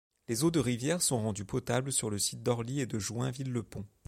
Les eaux de rivière sont rendues potables sur les sites d'Orly et de Joinville-le-Pont.